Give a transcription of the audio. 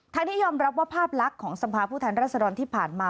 ที่ยอมรับว่าภาพลักษณ์ของสภาพผู้แทนรัศดรที่ผ่านมา